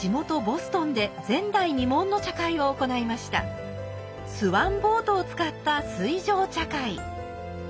スワンボートを使った水上茶会。